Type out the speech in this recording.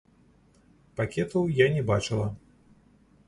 Пакетаў я не бачыла.